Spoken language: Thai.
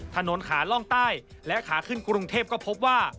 ถนนขาล่องใต้และขาขึ้นกรุงเทพก็พบว่า